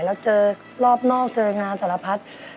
แล้วเจอรอบนอกเจองานสารพัด